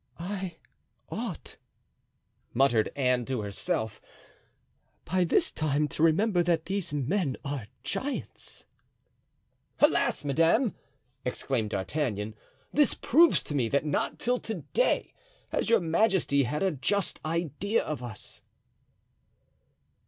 "I ought," muttered Anne to herself, "by this time to remember that these men are giants." "Alas, madame!" exclaimed D'Artagnan, "this proves to me that not till to day has your majesty had a just idea of us."